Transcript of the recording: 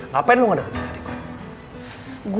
ngapain lo gak jauhin adik gue